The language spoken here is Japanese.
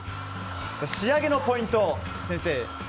仕上げのポイント